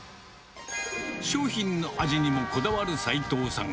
商品の味にもこだわる齋藤さん。